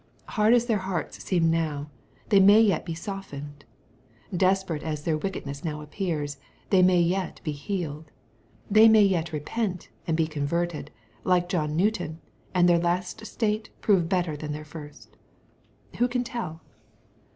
Hard as their hearts seem now, they may yet be softened. Desperate as their wickedness now appears, they may Vet be healed. They may yet repent, and be converted, like John Newton, and their last state prove better than their first Who can tel! ?